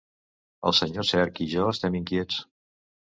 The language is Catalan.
El senyor Cerc i jo estem inquiets.